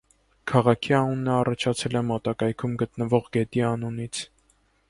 Քաղաքի անունը առաջացել է մոտակայքում գտնվող գետի անունից։